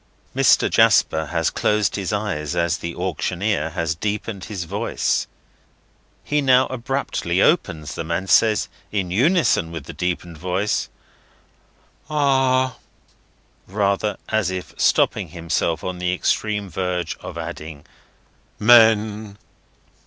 Mr. Jasper has closed his eyes as the auctioneer has deepened his voice. He now abruptly opens them, and says, in unison with the deepened voice "Ah!"—rather as if stopping himself on the extreme verge of adding—"men!"